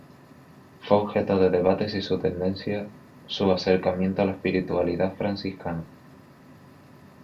Fue objeto de debate si su tendencia su acercamiento a la espiritualidad franciscana.